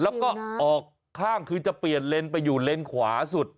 แล้วก็ออกข้างคือจะเปลี่ยนเลนไปอยู่เลนขวาสุด